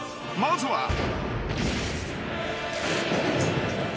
［まずは］